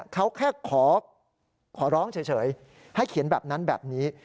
เขาแค่ขอร้องเฉยให้เขียนแบบนั้นแบบนี้